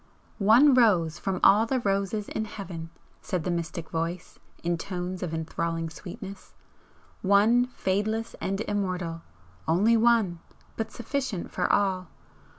"One rose from all the roses in Heaven!" said the mystic Voice, in tones of enthralling sweetness "One fadeless and immortal! only one, but sufficient for all!